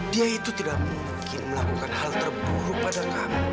dia itu tidak mungkin melakukan hal terburuk pada kami